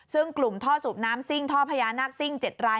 ซึ่งกลุ่มท่อสูบน้ำซิ่งท่อพญานาคซิ่ง๗ราย